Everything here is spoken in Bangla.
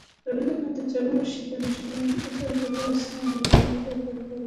রবীন্দ্রনাথের জন্মবার্ষিকীর অনুষ্ঠানের অজুহাতে ক্লাস নেওয়া হচ্ছে না, এটাই তাঁর খারাপ লেগেছে।